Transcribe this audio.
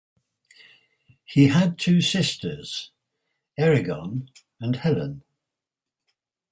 He had two sisters: Erigone and Helen.